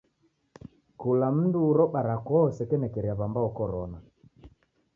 Kula mundu uro barakoa usekenekeria w'ambao korona.